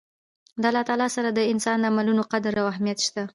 د الله تعالی سره د انسان د عملونو قدر او اهميت شته